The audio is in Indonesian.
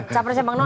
capresnya bang noel